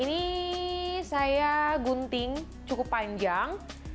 ini saya gunting cukup panjang